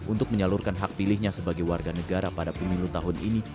untuk menyalurkan hak pilihnya sebagai warga negara pada pemilu tahun ini